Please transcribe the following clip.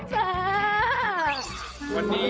วันนี้มาเจอนางเอกคนแรกของผมไปเริ่มผมมาตั้ง๑๐ปีละ